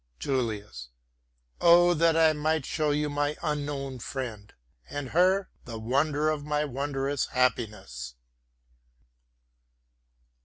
JULIUS Oh, that I might show you my unknown friend, and her the wonder of my wondrous happiness.